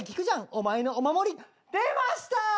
お前のお守り」出ました！